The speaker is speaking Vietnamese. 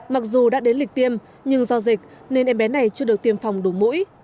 mặc dù đã đến lịch tiêm nhưng do dịch nên em bé này chưa được tiêm phòng đủ mũi